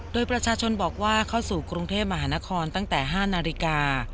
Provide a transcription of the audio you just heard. โดยประชาชนบอกว่าเข้าสู่กรุงเทพมหานครตั้งแต่๕นาฬิกา